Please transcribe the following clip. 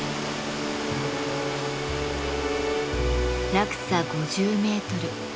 落差５０メートル。